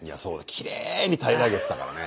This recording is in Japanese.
きれいに平らげてたからね。